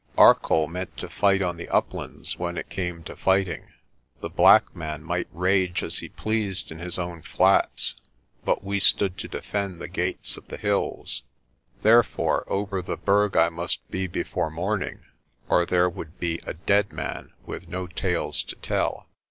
Arcoll meant to fight on the uplands when it came to fighting. The black man might rage as he pleased in his own flats but we stood to defend the gates of the hills. Therefore over the Berg I must be before morning or there would be a dead man with no tales to tell.